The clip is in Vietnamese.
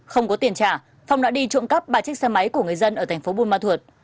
không có tiền trả phong đã đi trộm cắp ba chiếc xe máy của người dân ở thành phố buôn ma thuột